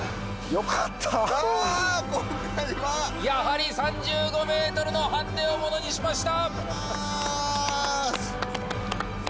やはり３５ｍのハンデをものにしました。